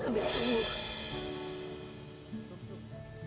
biar aku tunggu